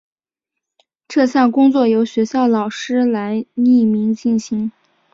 这项工作由学校老师来匿名进行。